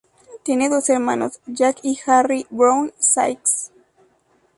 Tiene dos hermanos, Jack y Harry Browne-Sykes.